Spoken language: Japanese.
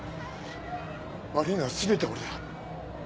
悪いのはすべて俺だ！